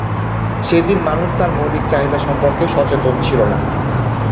সেদিন মানুষ তার মৌলিক চাহিদা সম্পর্কে সচেতন ছিল না।